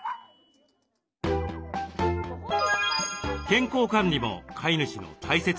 健康管理も飼い主の大切な役目。